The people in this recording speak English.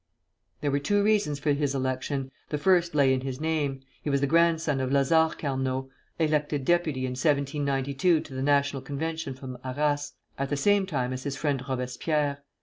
_] There were two reasons for his election: the first lay in his name; he was the grandson of Lazare Carnot, elected deputy in 1792 to the National Convention from Arras, at the same time as his friend Robespierre.